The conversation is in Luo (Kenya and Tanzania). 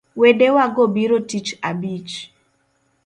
Wedewago biro tich abich